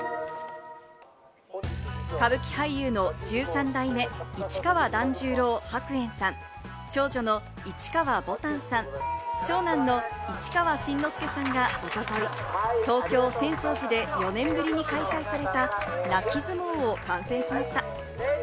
歌舞伎俳優の１３代目・市川團十郎白猿さん、長女の市川ぼたんさん、長男の市川新之助さんが一昨日、東京・浅草寺で４年ぶりに開催された泣き相撲を観戦しました。